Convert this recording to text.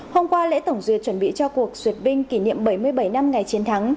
hôm qua lễ tổng duyệt chuẩn bị cho cuộc duyệt binh kỷ niệm bảy mươi bảy năm ngày chiến thắng